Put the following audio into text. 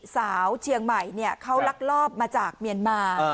สาวเชียงใหม่เขาลักลอบมาจากเมียนมา